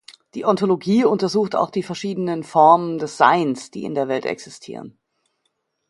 Die Ontologie untersucht auch die verschiedenen Formen des Seins, die in der Welt existieren.